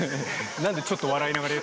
なんでちょっと笑いながら言